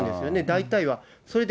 大体は。